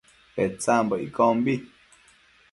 Petsambo iccombi